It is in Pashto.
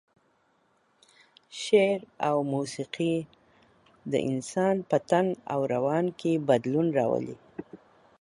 شعر او موسيقي د انسان په تن او روان کې بدلون راولي.